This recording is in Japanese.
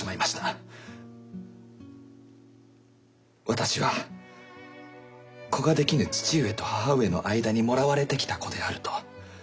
私は子ができぬ父上と母上の間にもらわれてきた子であると。